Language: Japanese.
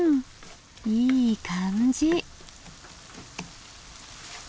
いい感じ。